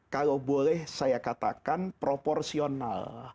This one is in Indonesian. kalau boleh saya katakan proporsional